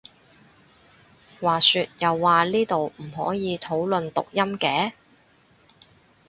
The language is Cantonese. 話說又話呢度唔可以討論讀音嘅？